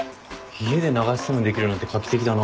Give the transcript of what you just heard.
家で流しそうめんできるなんて画期的だな。